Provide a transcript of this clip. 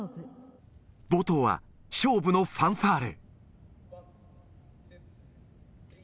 冒頭は勝負のファンファーレ。